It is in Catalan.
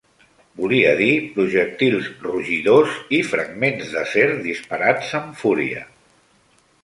Volia dir projectils rugidors i fragments d'acer disparats amb fúria